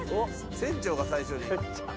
船長が最初に？